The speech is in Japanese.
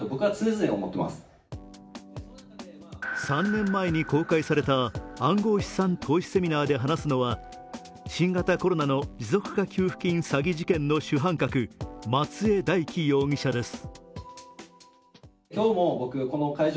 ３年前に公開された暗号資産投資セミナーで話すのは新型コロナの持続化給付金詐欺事件の主犯格、松江大樹容疑者です。